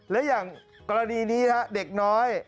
และอย่างกรณีนี้เด็กน้อย